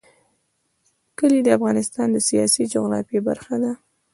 کلي د افغانستان د سیاسي جغرافیه برخه ده.